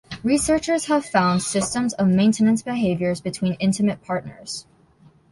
Researchers have found systems of maintenance behaviors between intimate partners.